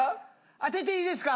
当てていいですか？